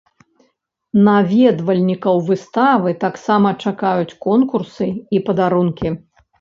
Наведвальнікаў выставы таксама чакаюць конкурсы і падарункі.